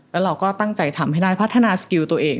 แล้วเราก็ตั้งใจทำให้ได้พัฒนาสกิลตัวเอง